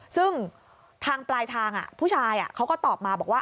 ซึ่งทางปลายทางผู้ชายเขาก็ตอบมาบอกว่า